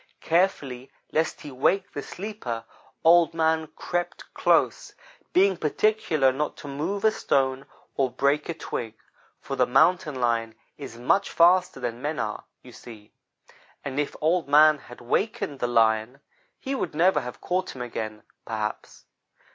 Carefully, lest he wake the sleeper, Old man crept close, being particular not to move a stone or break a twig; for the Mountain lion is much faster than men are, you see; and if Old man had wakened the Lion, he would never have caught him again, perhaps.